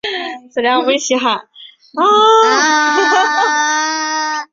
前读卖电视台主播。